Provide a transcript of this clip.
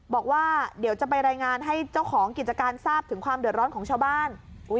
บอกว่าเดี๋ยวจะไปรายงานให้เจ้าของกิจการทราบถึงความเดือดร้อนของชาวบ้าน